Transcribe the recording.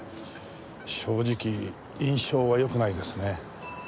正直印象はよくないですね。